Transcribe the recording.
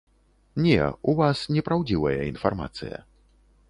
Не, у вас непраўдзівая інфармацыя.